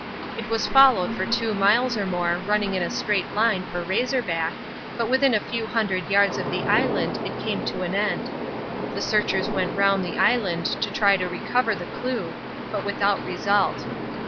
It was followed for two miles or more running in a straight line for Razor Back, but within a few hundred yards of the Island it came to an end. The searchers went round the Island to try and recover the clue, but without result.